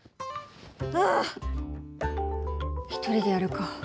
ああ一人でやるか。